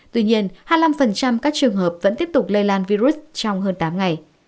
tuy nhiên hai mươi năm các trường hợp vẫn tiếp tục lây lan virus trong hơn tám ngày